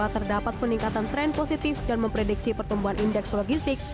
terdapat peningkatan tren positif dan memprediksi pertumbuhan indeks logistik